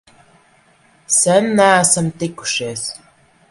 Sen neesam tikušies!